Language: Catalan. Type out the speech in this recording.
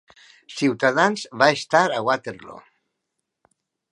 Ciutadans va estar a Waterloo